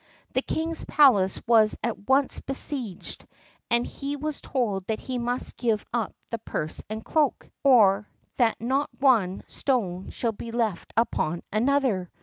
The king's palace was at once besieged, and he was told that he must give up the purse and cloak, or that not one stone should be left upon another.